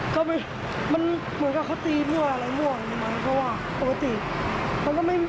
ก็มันเหมือนกับเค้าตีเมื่ออะไรเมื่ออย่างนี้มากันก็ว่าปกติ